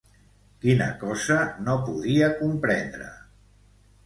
Quina cosa no podia comprendre?